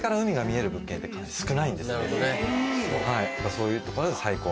そういうところで。